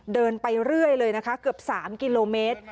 เดินไปเรื่อยเลยนะคะเกือบ๓กิโลเมตร